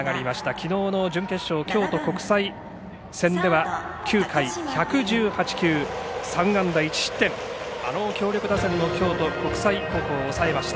きのうの準決勝、京都国際戦では９回１１８球、３安打１失点あの強力打線の京都国際高校を抑えました。